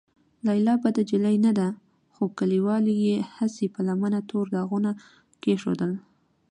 لیلا بده نجلۍ نه ده، خو کليوالو یې هسې په لمنه تور داغونه کېښودل.